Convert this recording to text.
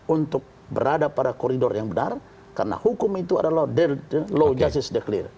untuk berada pada koridor yang benar karena hukum itu adalah law justice declare